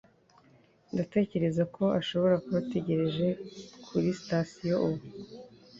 Ndatekereza ko ashobora kuba ategereje kuri sitasiyo ubu.